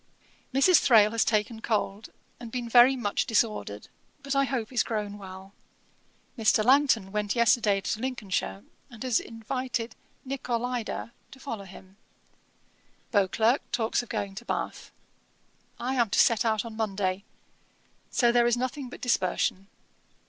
'Mrs. Thrale has taken cold, and been very much disordered, but I hope is grown well. Mr. Langton went yesterday to Lincolnshire, and has invited Nicolaida to follow him. Beauclerk talks of going to Bath. I am to set out on Monday; so there is nothing but dispersion.